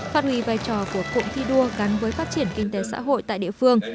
phát huy vai trò của cụm thi đua gắn với phát triển kinh tế xã hội tại địa phương